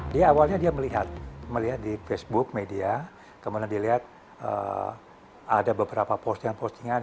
dia awalnya dia melihat di facebook media kemudian dilihat ada beberapa postingan postingan